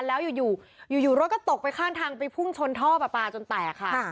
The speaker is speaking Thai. แล้วอยู่อยู่รถก็ตกไปข้างทางไปพุ่งชนท่อปลาปลาจนแตกค่ะ